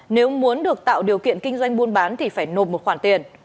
nếu muốn được tạo điều kiện kinh doanh buôn bán thì phải nộp một khoản tiền